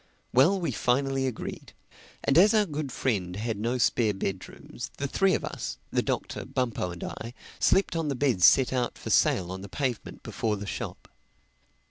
Well, we finally agreed; and as our good friend had no spare bedrooms, the three of us, the Doctor, Bumpo and I, slept on the beds set out for sale on the pavement before the shop.